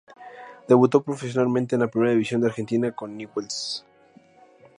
Debutó profesionalmente en la Primera División de Argentina con Newell's.